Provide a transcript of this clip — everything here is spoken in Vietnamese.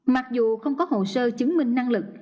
mặc dù không có hồ sơ chứng minh năng lực